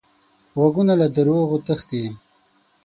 غوږونه له دروغو تښتي